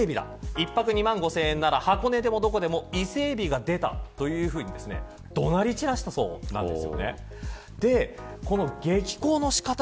１泊２万５０００円なら箱根でもどこでも伊勢エビが出たと怒鳴り散らしたそうなんです。